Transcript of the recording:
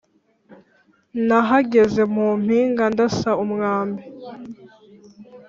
nahagaze mu mpinga ndasa umwambi